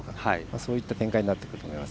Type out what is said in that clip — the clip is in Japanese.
そういった展開になってくると思います。